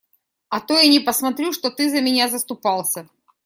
А то я не посмотрю, что ты за меня заступался.